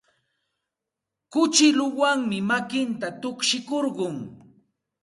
Kuchilluwanmi makinta tukshikurqun.